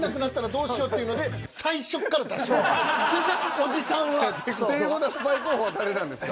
おじさんは。という事はスパイ候補は誰なんですか？